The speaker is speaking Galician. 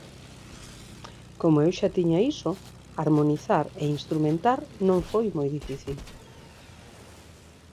Como eu xa tiña iso, harmonizar e instrumentar non foi moi difícil.